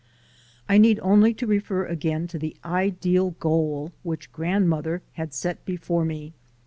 I need only to refer again to the ideal goal which grandmother had set before me.